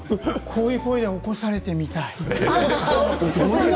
こういう声で起こされてみたい。